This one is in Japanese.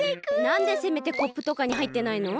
なんでせめてコップとかにはいってないの？